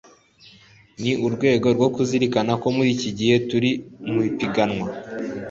ni urwego rwo kuzirikana ko muri iki gihe turi mu ipiganwa